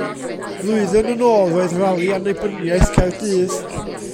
Flwyddyn yn ôl roedd rali annibyniaeth Caerdydd.